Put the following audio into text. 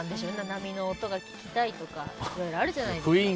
波の音が聞きたいとかいろいろあるじゃないですか。